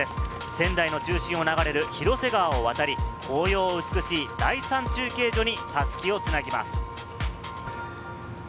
仙台の中心を流れる広瀬川を渡り、紅葉美しい第３中継所に襷を繋ぎます。